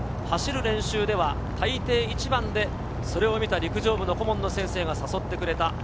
走る練習では大抵１番で、それを見た陸上部の顧問の先生が誘ってくれた。